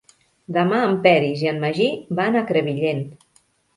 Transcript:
Demà en Peris i en Magí van a Crevillent.